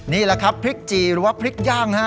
นี่แหละครับพริกจีหรือว่าพริกย่างนะฮะ